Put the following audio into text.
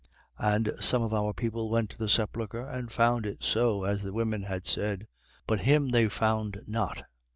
24:24. And some of our people went to the sepulchre and found it so as the women had said: but him they found not.